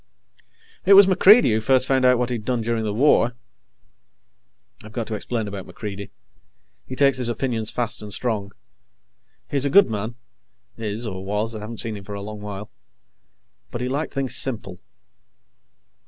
It was MacReidie who first found out what he'd done during the war. I've got to explain about MacReidie. He takes his opinions fast and strong. He's a good man is, or was; I haven't seen him for a long while but he liked things simple.